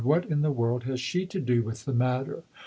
" What in the world has she to do with the matter